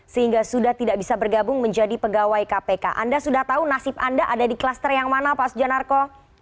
sehingga sudah tidak bisa bergabung menjadi pegawai kpk anda sudah tahu nasib anda ada di kluster yang mana pak sujanarko